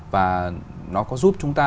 và nó có giúp chúng ta